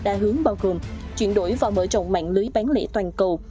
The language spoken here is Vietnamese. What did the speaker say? và hướng bao gồm chuyển đổi vào mở trọng mạng lưới bán lễ toàn cầu